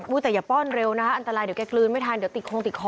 แต่อย่าป้อนเร็วนะอันตรายเดี๋ยวแกกลืนไม่ทันเดี๋ยวติดโครงติดคอ